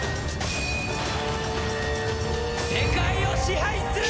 世界を支配する！